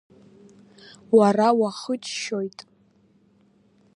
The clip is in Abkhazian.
Уара уахыччоит.